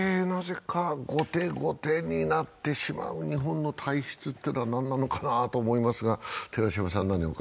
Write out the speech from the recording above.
なぜか後手後手になってしまう日本の体質っていうのは何なのかなと思いますが。